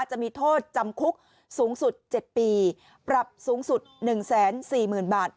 จะมีโทษจำคุกสูงสุด๗ปีปรับสูงสุด๑๔๐๐๐บาท